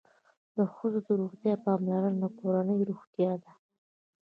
د ښځو د روغتیا پاملرنه د کورنۍ روغتیا ده.